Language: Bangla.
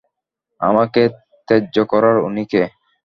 আমাকে ত্যায্য করার উনি কে?